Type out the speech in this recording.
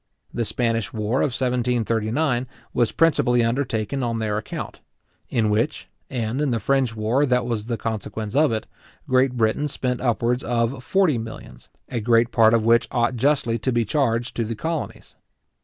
The Spanish war of 1739 was principally undertaken on their account; in which, and in the French war that was the consequence of it, Great Britain, spent upwards of forty millions; a great part of which ought justly to be charged to the colonies.